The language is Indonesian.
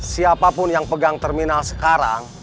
siapapun yang pegang terminal sekarang